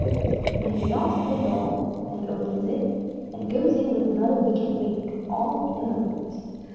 And he knocks at the door, and opens it, and goes in with another wicked wink, all in a moment.